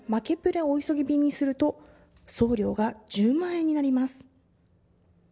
お急ぎ便にすると送料が１０万円になります。